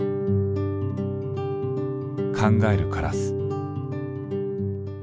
「考えるカラス」。